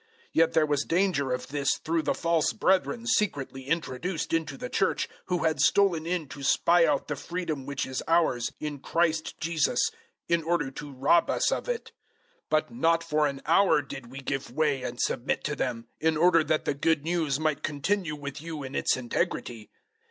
002:004 Yet there was danger of this through the false brethren secretly introduced into the Church, who had stolen in to spy out the freedom which is ours in Christ Jesus, in order to rob us of it. 002:005 But not for an hour did we give way and submit to them; in order that the Good News might continue with you in its integrity.